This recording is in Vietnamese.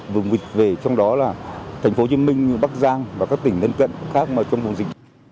vùng dịch về trong đó là thành phố hồ chí minh bắc giang và các tỉnh gần gần khác trong vùng dịch